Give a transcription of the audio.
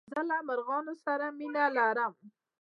زه له مرغانو سره مينه لرم.